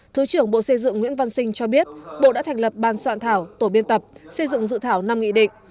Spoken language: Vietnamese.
thứ trưởng bộ xây dựng nguyễn văn sinh cho biết bộ đã thành lập ban soạn thảo tổ biên tập xây dựng dự thảo năm nghị định